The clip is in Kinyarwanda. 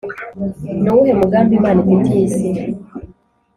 nuwuhe mugambi imana ifitiye isi